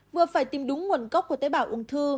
vừa phải tìm đúng nguồn gốc của tế bào ung thư